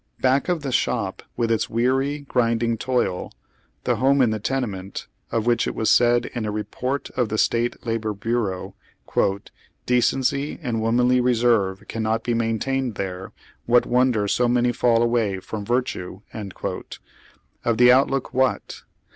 Back of the shop with its weary, gnn ding toil — the home in the tenement, of which it was said in a report of the State Labor Bureau :" De cency and womanly reserve cannt^ be maintained there— what wonder so many fall away from virtue ?" Of the outlook, what